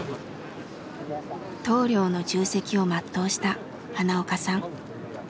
棟梁の重責を全うした花岡さん。